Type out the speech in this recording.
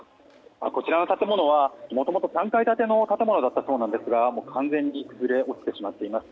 こちらの建物はもともと３階建ての建物だったそうなんですが完全に崩れ落ちてしまっています。